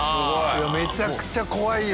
めちゃくちゃ怖いよ